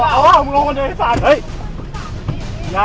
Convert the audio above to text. เอาคุณลองกันเลยไอ้สัตว์